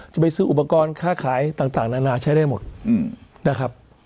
จะไปซื้ออุปกรณ์ค่าขายต่างนานาใช้ได้หมดนะครับ